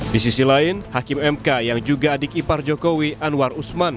di sisi lain hakim mk yang juga adik ipar jokowi anwar usman